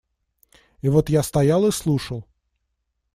И вот я стоял и слушал.